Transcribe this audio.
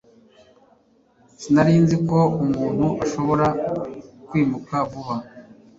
sinari nzi ko umuntu ashobora kwimuka vuba